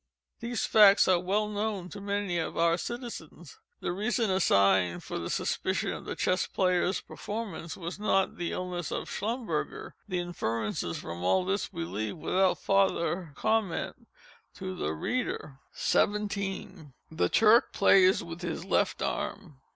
These facts are well known to many of our citizens. The reason assigned for the suspension of the Chess Player's performances, was _not _the illness of _Schlumberger. _The inferences from all this we leave, without farther comment, to the reader. 17. The Turk plays with his left arm.